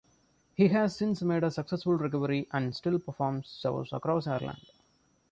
He has since made a successful recovery and still performs shows across Ireland.